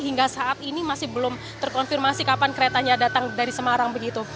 hingga saat ini masih belum terkonfirmasi kapan keretanya datang dari semarang begitu